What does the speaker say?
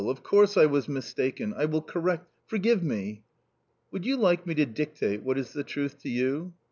— of course, I was mistaken — I will correct — forgive me." " Would you like me to dictate what is the truth to you